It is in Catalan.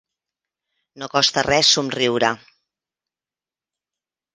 No costa res somriure.